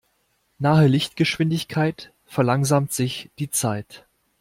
Nahe Lichtgeschwindigkeit verlangsamt sich die Zeit.